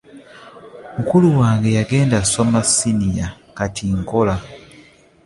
Mukulu wange yandeka nsoma siniya kati nkola.